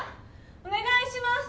おねがいします！